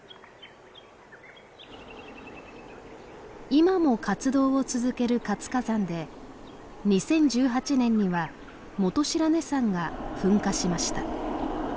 今も活動を続ける活火山で２０１８年には本白根山が噴火しました。